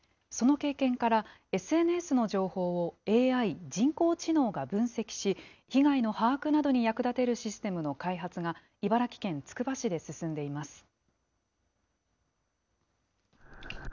その経験から、ＳＮＳの情報をＡＩ・人工知能が分析し、被害の把握などに役立てるシステムの開発が、茨城県つくば市で進んでいます。